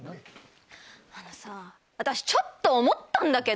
あのさ私ちょっと思ったんだけど！